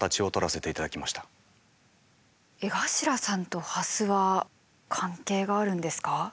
江頭さんとハスは関係があるんですか？